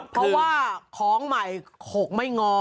เพราะว่าของใหม่ขกไม่งอ